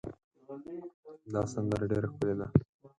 دا سندره ډېره ښکلې ده.